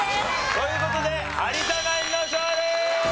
という事で有田ナインの勝利！